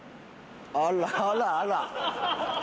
あらあらあら。